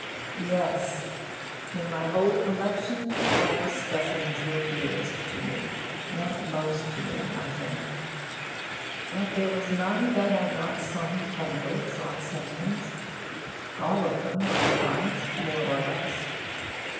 Yes! In my whole collection the Paris specimens were dearest to me, meant most to me, I think. But there was none that had not some tendrils on sentiment. All of them I prized, more or less.